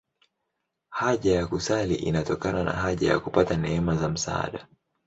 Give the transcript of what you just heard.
Haja ya kusali inatokana na haja ya kupata neema za msaada.